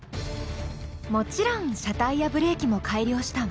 もちろん車体やブレーキも改良したわ。